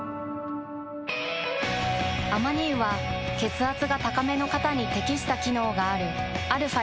アマニ油は血圧が高めの方に適した機能があるαー